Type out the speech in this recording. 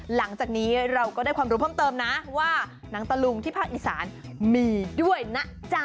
หลังจากนี้เราก็ได้ความรู้เพิ่มเติมนะว่าหนังตะลุงที่ภาคอีสานมีด้วยนะจ๊ะ